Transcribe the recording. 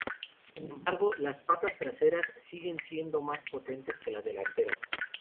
Sin embargo, las patas traseras siguen siendo más potentes que las delanteras.